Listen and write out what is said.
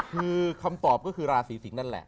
คือคำตอบก็คือราศีสิงศ์นั่นแหละ